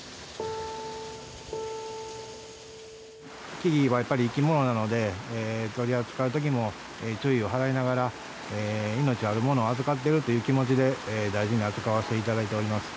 木々はやっぱり生き物なので取り扱うときも注意を払いながら命あるものを預かっているという気持ちで大事に扱わせていただいております。